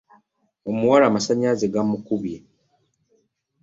Omuwala amasannyalaze gamukubye.